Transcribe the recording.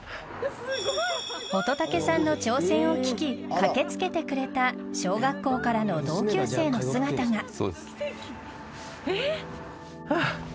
乙武さんの挑戦を聞き駆け付けてくれた小学校からの同級生の姿が。